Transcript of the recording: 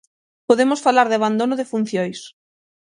Podemos falar de abandono de funcións.